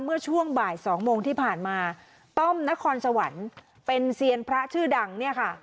เมื่อช่วงบ่ายสองโมงที่ผ่านมาต้อมนครสวรรค์เป็นเซียนพระชื่อดังเนี่ยค่ะ